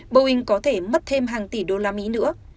boeing có thể mất thêm hàng tỷ usd nữa